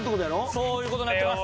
そういう事になってます。